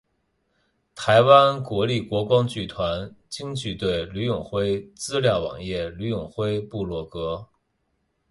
台湾国立国光剧团京剧队吕永辉资料网页吕永辉部落格